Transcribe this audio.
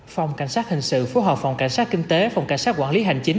phòng cảnh sát hình sự phối hợp phòng cảnh sát kinh tế phòng cảnh sát quản lý hành chính